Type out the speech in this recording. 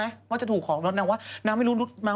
เขาจะหลบเขาบอกว่า